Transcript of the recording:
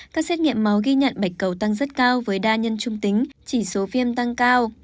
các xét nghiệm máu ghi nhận bạch cầu tăng rất cao với đa nhân trung tính chỉ số viêm tăng cao